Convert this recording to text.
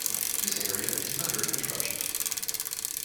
This area is under construction.